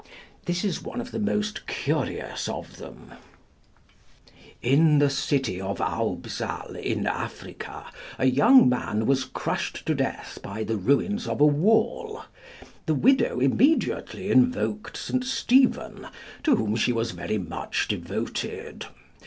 This is one of the most curious of them: In the city of Aubzal in Africa, a young man was crushed to death by the ruins of a wall; the widow immediately invoked St. Stephen, to whom she was very much devoted.